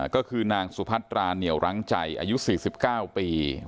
ก็คือนางสุภัทราเหนี่ยวร้างใจอายุสี่สิบเก้าปี